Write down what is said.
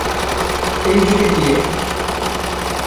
এই দিকে দিয়ে।